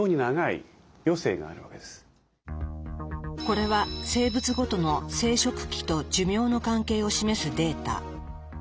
これは生物ごとの生殖期と寿命の関係を示すデータ。